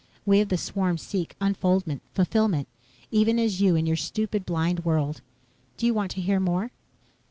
We of the swarm seek unfoldment fulfillment even as you in your stupid, blind world. Do you want to hear more?"